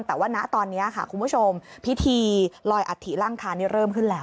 แต่ว่าณตอนนี้ค่ะคุณผู้ชมพิธีลอยอัฐิล่างคารนี้เริ่มขึ้นแล้ว